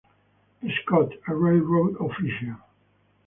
Prescott, a railroad official.